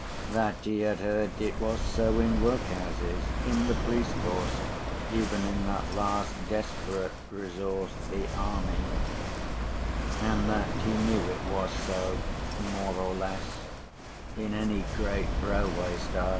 95that he had heard it was so in workhouses, in the police force, even in that last desperate resource, the army; and that he knew it was so, more or less, in any great railway staff.